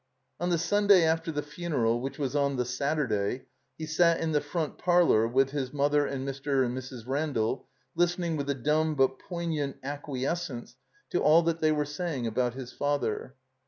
On the Sunday after the ftmeral, which was on the Saturday, he sat in the front parlor with his mother and Mr. and Mrs. Randall, listening with a dumb but poignant acquiescence to all that they were sa3mig about his father.